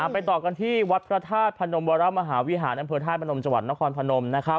ไปต่อกันที่วัดพระธาตุพนมวรมหาวิหาน้ำเผือไทยพนมจนครพนม